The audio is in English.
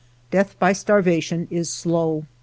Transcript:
Death by starvation is slow.